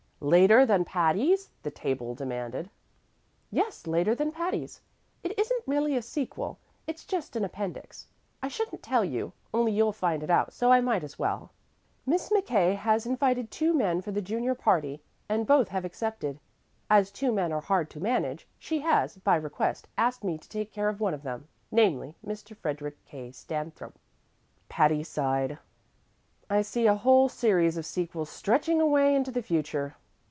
"Later than Patty's?" the table demanded. "Yes, later than Patty's. It isn't really a sequel; it's just an appendix. I shouldn't tell you, only you'll find it out, so I might as well. Miss McKay has invited two men for the junior party, and both have accepted. As two men are hard to manage, she has (by request) asked me to take care of one of them namely, Mr. Frederick K. Stanthrope." Patty sighed. "I see a whole series of sequels stretching away into the future.